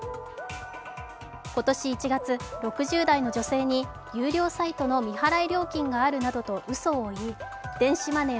今年１月、６０代の女性に有料サイトの未払い料金があるなどとうそを言い、電子マネー